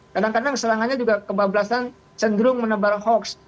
kadang kadang serangannya juga kebablasan cenderung menebar hoax